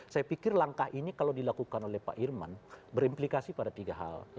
saya pikir langkah ini kalau dilakukan oleh pak irman berimplikasi pada tiga hal